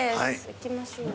行きましょう。